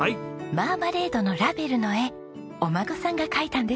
マーマレードのラベルの絵お孫さんが描いたんですよ。